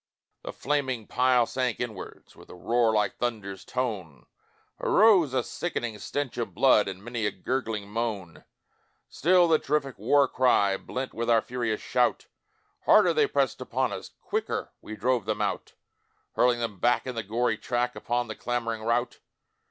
The flaming pile sank inwards With a roar like thunder's tone; Arose a sickening stench of blood And many a gurgling moan; Still the terrific war cry Blent with our furious shout, Harder they pressed upon us Quicker we drove them out Hurling them back in the gory track, Upon the clamouring rout.